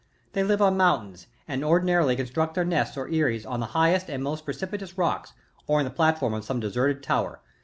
They live on mountains and ordinarily con struct their nests or eyties on the highest and most precipitous rocks, or on the platform of some deserted tower.